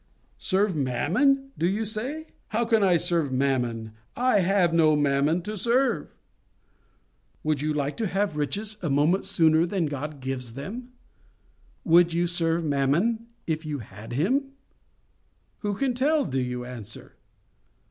'Serve Mammon!' do you say? 'How can I serve Mammon? I have no Mammon to serve.'—Would you like to have riches a moment sooner than God gives them? Would you serve Mammon if you had him?—'Who can tell?' do you answer?